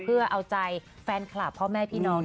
เพื่อเอาใจแฟนคลับพ่อแม่พี่น้อง